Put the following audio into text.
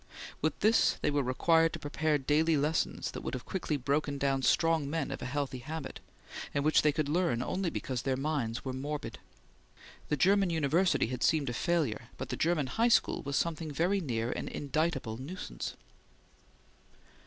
With this, they were required to prepare daily lessons that would have quickly broken down strong men of a healthy habit, and which they could learn only because their minds were morbid. The German university had seemed a failure, but the German high school was something very near an indictable nuisance.